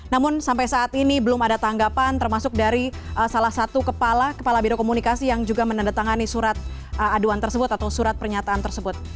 namun sampai saat ini belum ada tanggapan termasuk dari salah satu kepala kepala biro komunikasi yang juga menandatangani surat aduan tersebut atau surat pernyataan tersebut